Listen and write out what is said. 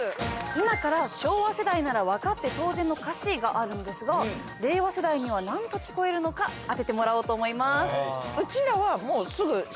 今から昭和世代なら分かって当然の歌詞があるのですが令和世代には何と聴こえるのか当ててもらおうと思います。